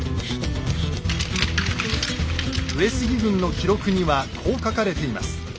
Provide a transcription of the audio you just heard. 上杉軍の記録にはこう書かれています。